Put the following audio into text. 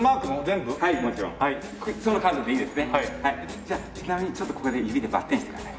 じゃあちなみにちょっとここで指でバッテンしてください。